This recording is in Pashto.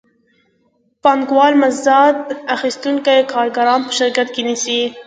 پانګوال مزد اخیستونکي کارګران په شرکت کې نیسي